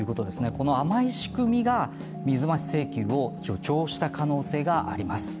この甘い仕組みが、水増し請求を助長した可能性があります。